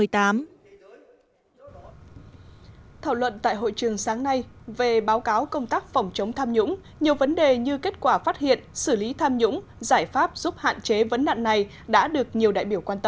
thảo luận tại hội trường sáng nay về báo cáo công tác phòng chống tham nhũng nhiều vấn đề như kết quả phát hiện xử lý tham nhũng giải pháp giúp hạn chế vấn nạn này đã được nhiều đại biểu quan tâm